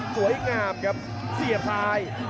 สวยงามครับเสียบซ้าย